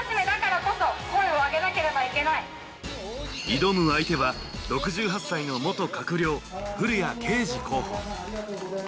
挑む相手は６８歳の元閣僚、古屋圭司候補。